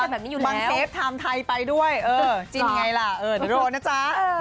บางเฟปทำไทยไปด้วยจินไงล่ะเดี๋ยวโดนนะจ๊ะ